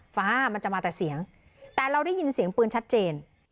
ฟ้ามันจะมาแต่เสียงแต่เราได้ยินเสียงปืนชัดเจน